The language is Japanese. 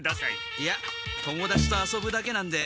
いや友だちと遊ぶだけなんで。